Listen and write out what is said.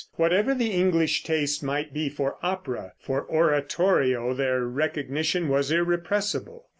Whatever the English taste might be for opera, for oratorio their recognition was irrepressible.